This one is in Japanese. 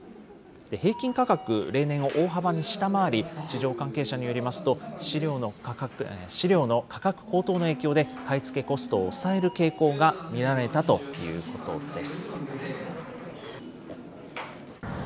平均価格、例年を大幅に下回り、市場関係者によりますと、飼料の価格高騰の影響で、買い付けコストを抑える傾向が見られたということです。